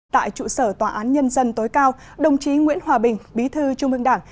tại trụ sở tòa án nhân dân tối cao đồng chí nguyễn hòa bình bí thư trung ương đảng